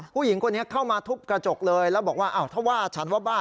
ผู้หญิงคนนี้เข้ามาทุบกระจกเลยแล้วบอกว่าอ้าวถ้าว่าฉันว่าบ้า